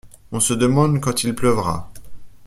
On se demande quand il pleuvra.